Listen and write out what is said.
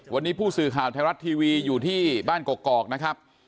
วันนี้ผู้สื่อข่าวไทยรัฐทีวีอยู่ที่บ้านกอกนะครับ